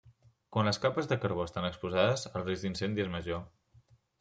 Quan les capes de carbó estan exposades, el risc d'incendi és major.